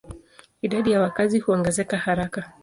Idadi ya wakazi huongezeka haraka.